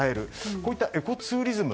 こうしたエコツーリズム